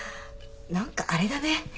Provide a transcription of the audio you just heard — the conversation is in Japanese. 何かあれだね。